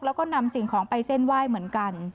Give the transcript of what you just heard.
แล้วก็นำสิ่งของไปเส้นไหว้เหมือนกัน